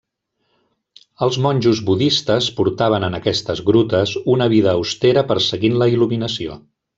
Els monjos budistes portaven en aquestes grutes una vida austera perseguint la il·luminació.